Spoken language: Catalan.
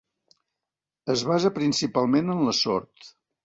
Es basa principalment en la sort.